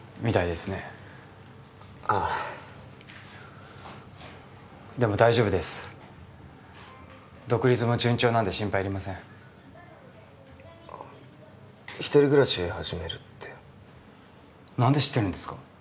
でも大丈夫です独立も順調なんで心配いりませんあっ一人暮らし始めるって何で知ってるんですか？